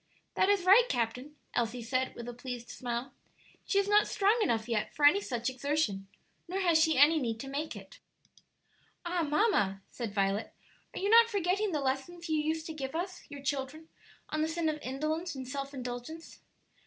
"That is right, captain," Elsie said, with a pleased smile. "She is not strong enough yet for any such exertion, nor has she any need to make it." "Ah, mamma," said Violet, "are you not forgetting the lessons you used to give us, your children, on the sin of indolence and self indulgence?"